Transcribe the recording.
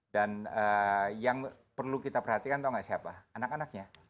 dan yang perlu kita perhatikan tau gak siapa